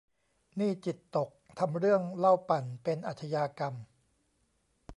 นี่จิตตก ทำเรื่องเหล้าปั่นเป็นอาชญากรรม